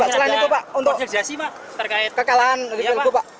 selain itu pak untuk kekalaan di pilku pak